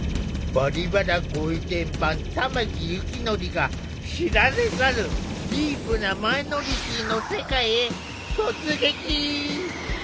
「バリバラ」ご意見番玉木幸則が知られざるディープなマイノリティーの世界へ突撃！